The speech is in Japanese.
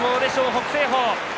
北青鵬。